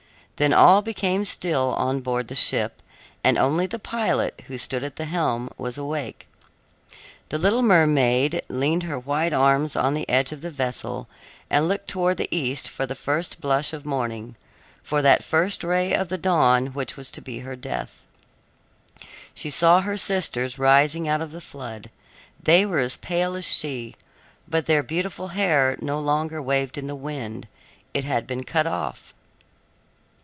Then all became still on board the ship, and only the pilot, who stood at the helm, was awake. The little mermaid leaned her white arms on the edge of the vessel and looked towards the east for the first blush of morning for that first ray of the dawn which was to be her death. She saw her sisters rising out of the flood. They were as pale as she, but their beautiful hair no longer waved in the wind; it had been cut off.